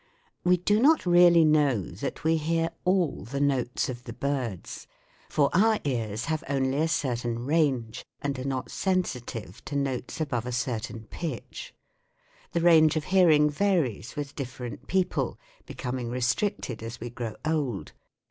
We do not really know that we hear all the notes of the birds ; for our ears have only a certain range and are not sensitive to notes above a certain pitch ; the range of hearing varies with different people, becoming restricted as we grow old.